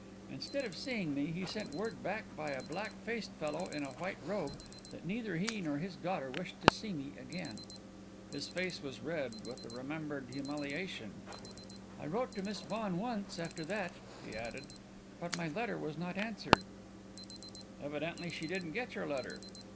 Instead of seeing me, he sent word by a black faced fellow in a white robe that neither he nor his daughter wished to see me again." His face was red with the remembered humiliation. "I wrote to Miss Vaughan once, after that," he added, "but my letter was not answered." "Evidently she didn't get your letter."